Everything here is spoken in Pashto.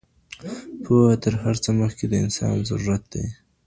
پوهه تر هر څه مخکي د انسان ضرورت دی.